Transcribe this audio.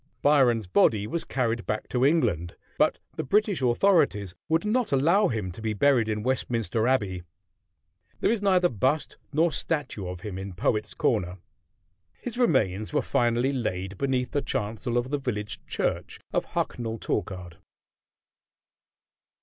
Byron's body was carried back to England; but the British authorities would not allow him to be buried in Westminster Abbey. There is neither bust nor statue of him in Poets' Corner. His remains were finally laid beneath the chancel of the village church of Hucknall Torkard.